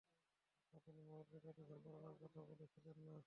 আপনি মহলকে জাদুঘর, বানানোর কথা বলছিলেন না?